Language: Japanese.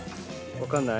分かんない？